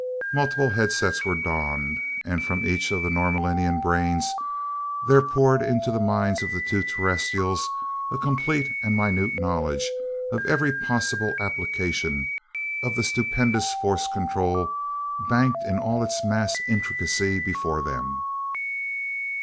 Multiple headsets were donned, and from each of the Norlaminian brains there poured into the minds of the two Terrestrials a complete and minute knowledge of every possible application of the stupendous force control banked in all its massed intricacy before them.